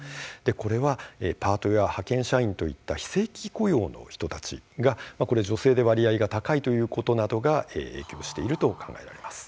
これはパートや派遣社員といった非正規雇用の人たちが、女性で割合が高いということなどが影響していると考えられます。